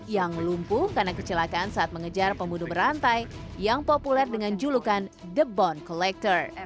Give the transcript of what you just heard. yang lumpuh karena kecelakaan saat mengejar pemuduh berantai yang populer dengan julukan the bond collector